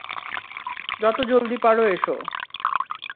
যত জলদি পারো এসো।